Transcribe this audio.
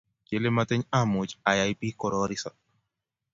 Kele motinye amuch ayai bik kororiso